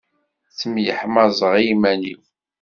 Ttemyeḥmaẓeɣ i yiman-iw.